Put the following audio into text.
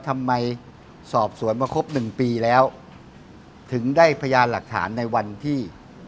ทำไมสอบสวนมาครบหนึ่งปีแล้วถึงได้พยานหลักฐานในวันที่